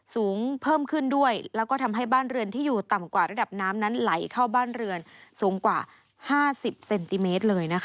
สูงเพิ่มขึ้นด้วยแล้วก็ทำให้บ้านเรือนที่อยู่ต่ำกว่าระดับน้ำนั้นไหลเข้าบ้านเรือนสูงกว่า๕๐เซนติเมตรเลยนะคะ